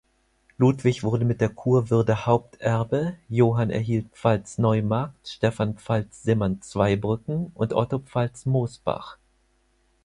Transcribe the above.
Ludwig wurde mit der Kurwürde Haupterbe, Johann erhielt Pfalz-Neumarkt, Stefan Pfalz-Simmern-Zweibrücken und Otto Pfalz-Mosbach.